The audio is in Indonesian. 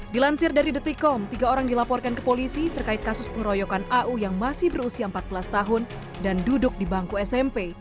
dilansir dari detikom tiga orang dilaporkan ke polisi terkait kasus pengeroyokan au yang masih berusia empat belas tahun dan duduk di bangku smp